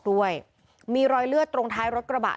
พวกมันต้องกินกันพี่